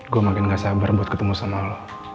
gue makin gak sabar buat ketemu sama lo